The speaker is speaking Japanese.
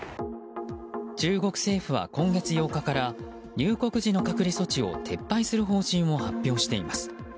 中国政府は今月８日から入国時の隔離措置を撤廃する方針を発表しています。